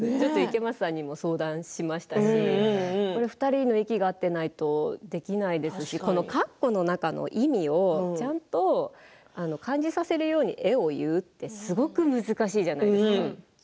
池松さんにも相談しましたし２人の息が合っていないとできないですしこの、かっこの中の意味をちゃんと感じさせられるように「え？」を言うのは難しいじゃないですか。